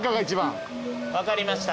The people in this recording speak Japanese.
分かりました。